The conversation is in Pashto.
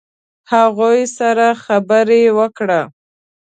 هغوی سره خبرې وکړه.